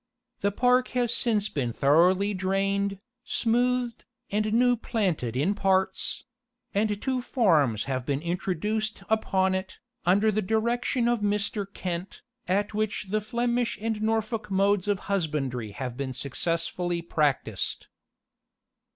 The park has since been thoroughly drained, smoothed, and new planted in parts; and two farms have been introduced upon it, under the direction of Mr. Kent, at which the Flemish and Norfolk modes of husbandry have been successfully practised.